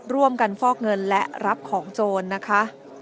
ฟอกเงินและรับของโจรนะคะ